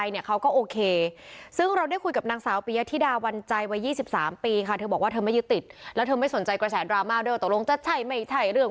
นะครับนี่คือการสมมุติขึ้น